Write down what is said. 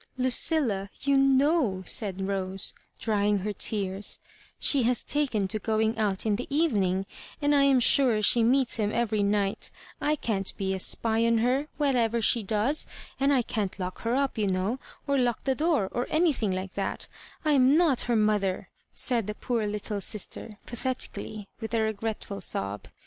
'* Lucilla, you know^^^ said Rose, drying her tears, " she has taken to going out in the even ing, and I am sure she meets him every night I can't be a spy on her, whatever she does, and I can't lock her up, you know, or lock the door, or anything like that I am not her mother," said the poor little sister, pathetically, with a regretful sob.